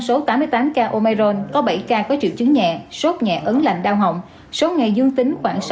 số tám mươi tám ca omicron có bảy ca có triệu chứng nhẹ sốt nhẹ ấn lạnh đau họng số ngày dương tính khoảng